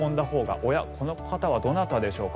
おや、この方はどなたでしょうか。